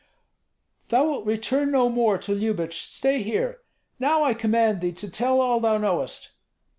"Thou wilt return no more to Lyubich; stay here. Now I command thee to tell all thou knowest."